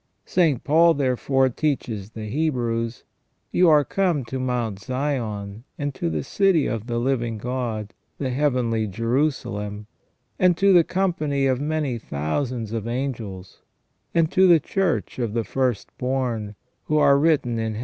St. Paul, therefore, teaches the Hebrews :*' You are come to Mount Sion and to the city of the living God, the heavenly Jerusalem, and to the company of many thousands of angels, and to the church of the first born, who are written in AND THE REDEMPTION OF CHRIST.